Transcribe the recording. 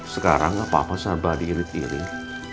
sekarang gak apa apa sahabat diirit irit